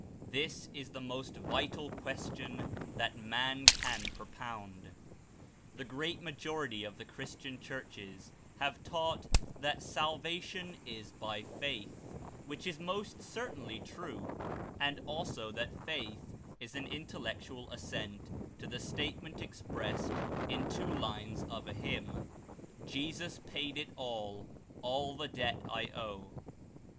This is the most vital question that man can propound. The great majority of the Christian churches have taught that "Salvation is by Faith," which is most certainly true, and also that faith is an intellectual assent to the statement expressed in two lines of a hymn: "Jesus paid it all; All the debt I owe."